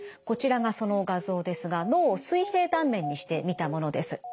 こちらがその画像ですが脳を水平断面にして見たものです。